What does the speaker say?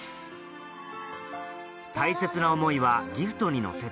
大切な思いはギフトに乗せて